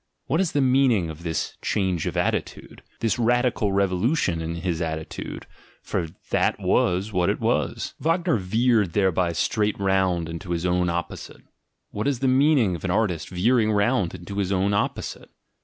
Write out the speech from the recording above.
What is the meaning of this "change of at titude," this radical revolution in his attitude — for that was what it was? Wagner veered thereby straight round into his own opposite. What is the meaning of an artist veering round into his own opposite?